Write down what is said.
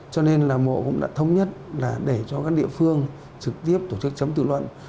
cho nên là bộ cũng đã thống nhất là để cho các địa phương trực tiếp tổ chức chấm tự luận